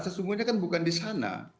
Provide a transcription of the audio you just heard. sesungguhnya kan bukan di sana